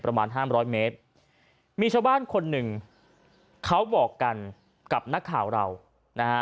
ประมาณห้ามร้อยเมตรมีชาวบ้านคนหนึ่งเขาบอกกันกับนักข่าวเรานะฮะ